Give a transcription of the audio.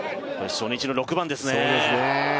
初日の６番ですね。